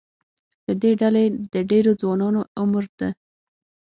له دې ډلې د ډېرو ځوانانو عمر د